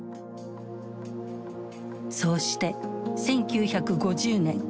そうして１９５０年。